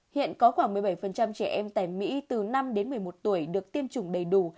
hiện có khoảng một mươi bảy trẻ em tại mỹ từ năm đến một mươi một tuổi được tiêm chủng đầy đủ